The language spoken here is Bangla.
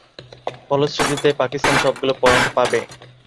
ফলশ্রুতিতে পাকিস্তান সবগুলো পয়েন্ট পাবে।